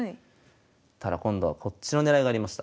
ただ今度はこっちのねらいがありました。